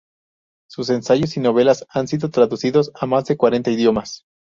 Sus ensayos y novelas han sido traducidos a más de cuarenta idiomas.